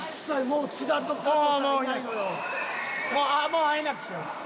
もう会えなくしてます。